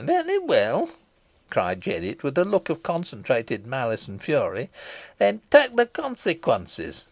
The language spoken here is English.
"Varry weel," cried Jennet, with a look of concentrated malice and fury; "then tak the consequences.